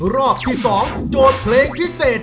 รอบที่๒โจทย์เพลงพิเศษ